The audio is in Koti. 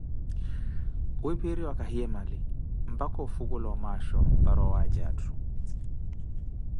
viiphiiriwa kahiye mali, mpaka ofukula omaasho para owaaja atthu.